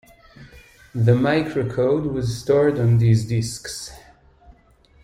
The microcode was stored on these disks.